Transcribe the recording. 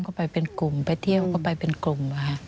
ก็ไปเป็นกลุ่มไปเที่ยวก็ไปเป็นกลุ่มค่ะ